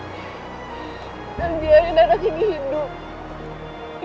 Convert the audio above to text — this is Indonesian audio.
dan biarin anak ini hidup